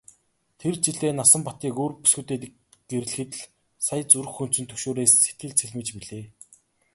Тэр жилээ Насанбатыг өөр бүсгүйтэй гэрлэхэд л сая зүрх хөндсөн түгшүүрээс сэтгэл цэлмэж билээ.